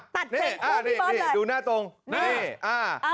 ตัดเจนคุณพี่เบิร์นเลยนี่นี่ดูหน้าตรงนี่อ้าว